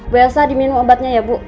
biasa diminum obatnya ya bu